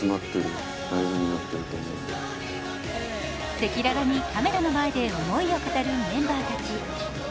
赤裸々にカメラの前で思いを語るメンバーたち。